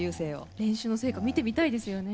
練習の成果を見てみたいですよね。